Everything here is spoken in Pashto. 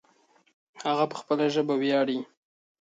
هغه په خپله ژبه ویاړې